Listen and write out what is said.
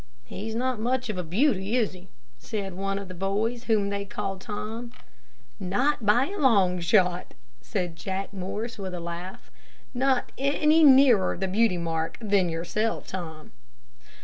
"He's not much of a beauty, is he?" said one of the boys, whom they called Tom. "Not by a long shot," said Jack Morris, with a laugh. "Not any nearer the beauty mark than yourself, Tom."